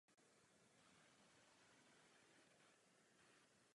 Mnoho z těchto budov je možno spatřit i dnes.